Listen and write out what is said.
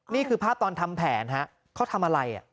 นี่คือภาพตอนทำแผนฮะเขาทำอะไร